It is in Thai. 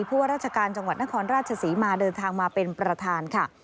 ว่าราชการจังหวัดนครราชศรีมาเดินทางมาเป็นประธานค่ะ